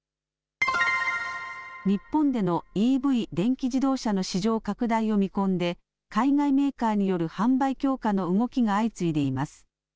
日本でのＥＶ、電気自動車の市場拡大を見込んで海外メーカーによる販売強化の動きが相次いでいます。